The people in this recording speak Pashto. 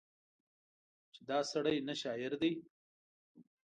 چې دا سړی نه شاعر دی